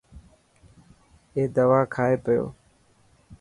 اي دوا کائي پيو.